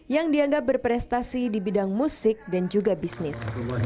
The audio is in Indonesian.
yang dianggap berprestasi di bidang musik dan juga bisnis